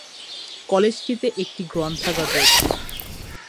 কলেজটিতে একটি গ্রন্থাগার রয়েছে।